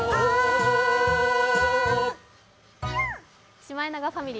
シマエナガファミリー